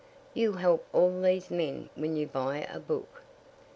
You help all these men when you buy a book.